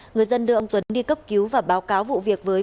người dân đưa ông tuấn đi cấp cứu và báo cáo vụ việc với bà hạnh